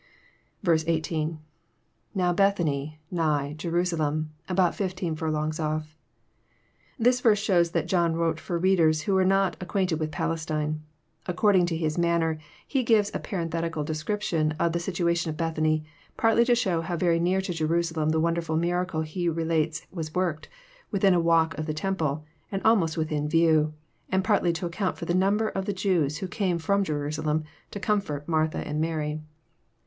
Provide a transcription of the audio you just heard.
18. — INow Bethany.„nigh..,Jeru8(Uem, about fifteen furlongs ojf.] This verse shows that John wrote for readers who were not ac quainted with Palestine. According to his manner he gives a parenthetical description of the situation of Bethany, partly to show how very near to Jerusalem the wonderfhl miracle he re lates was worked, — within a walk of the temple, and aJmost within view; and partly to account for the number of the Jews who came Arom Jerusalem to comfort Martha and Mary.